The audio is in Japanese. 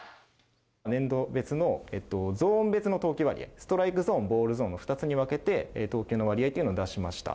年度別のゾーン別の投球割合、ストライクゾーン、ボールゾーンの２つに分けて投球の割合というのを出しました。